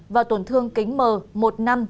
và tổn thương kính mờ một năm